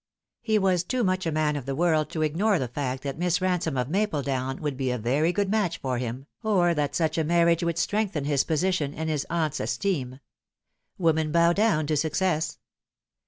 He was too much a man of the world to ignore the fact that Miss Ransome of Mapledown would be a very good match for him, or that such a marriage would strengthen his position in his aunt's esteem. Women bow down to success.